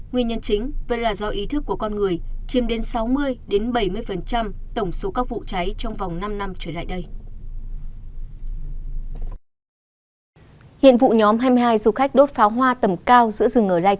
nguyên nhân chính vẫn là do ý thức của con người chiếm đến sáu mươi bảy mươi tổng số các vụ cháy trong vòng năm năm trở lại đây